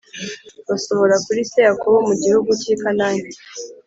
Basohora kuri se Yakobo mu gihugu cy i Kanani